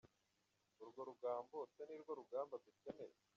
Urwo rugambo se nirwo rugamba dukeneye?